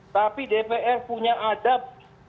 tapi dpr punya adab